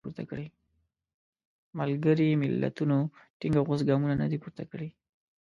ملګري ملتونو ټینګ او غوڅ ګامونه نه دي پورته کړي.